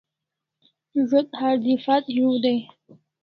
Zo't hardiphat hiu dai